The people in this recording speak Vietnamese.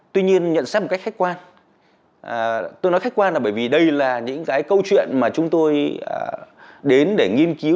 tuy nhiên nhận xét một cách khách quan tôi nói khách quan là bởi vì đây là những cái câu chuyện mà chúng tôi đến để nghiên cứu